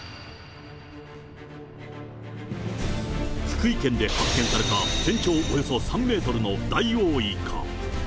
福井県で発見された、全長およそ３メートルのダイオウイカ。